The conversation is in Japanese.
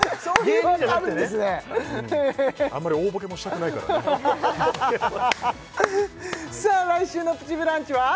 芸人じゃなくてねあんまり大ボケもしたくないからねさあ来週の「プチブランチ」は？